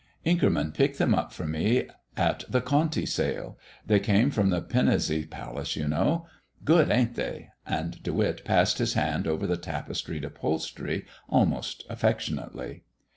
"Inkerman picked them up for me at the Conti sale. They came from the Pinazi Palace, you know. Good, ain't they?" and De Witt passed his hand over the tapestried upholstery almost affectionately.